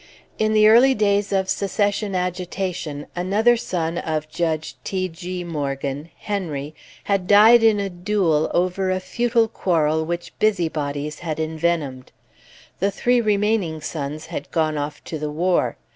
In the early days of Secession agitation, another son of Judge T. G. Morgan, Henry, had died in a duel over a futile quarrel which busybodies had envenomed. The three remaining sons had gone off to the war.